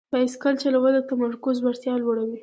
بایسکل چلول د تمرکز وړتیا لوړوي.